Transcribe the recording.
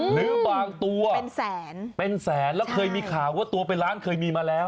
หรือบางตัวเป็นแสนเป็นแสนแล้วเคยมีข่าวว่าตัวเป็นล้านเคยมีมาแล้ว